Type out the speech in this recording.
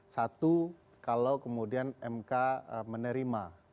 satu kalau kemudian mk menerima